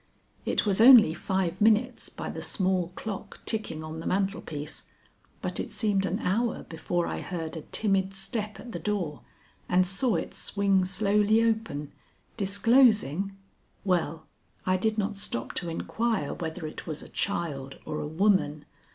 It was only five minutes by the small clock ticking on the mantel piece, but it seemed an hour before I heard a timid step at the door, and saw it swing slowly open, disclosing well, I did not stop to inquire whether it was a child or a woman.